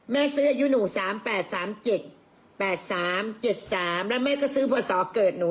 แม่ซื้ออายุหนู๓๘๓๗๘๓๗๓แม่ก็ซื้อผ่าสเกิดหนู